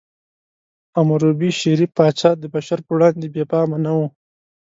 حموربي، شریف پاچا، د بشر په وړاندې بې پامه نه و.